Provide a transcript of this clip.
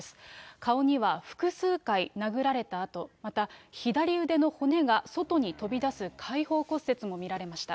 顔には複数回、殴られた痕、また左腕の骨が外に飛び出す解放骨折も見られました。